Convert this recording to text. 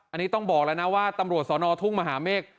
อันนี้ต้องบอกแล้วนะว่าตำรวจสนทุ่งมหาเมฆ